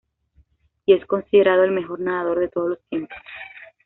Y es considerado el mejor nadador de todos los tiempos.